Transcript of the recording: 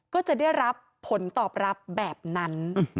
ก็จะได้รับผลตอบรับแบบนั้น